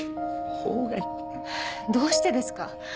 どうしてですか？